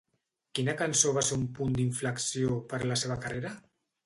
Quina cançó va ser un punt d'inflexió per la seva carrera?